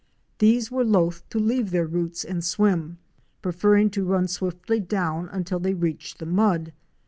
These were loath to leave their roots and swim, preferring to run swiftly down until they reached the mud.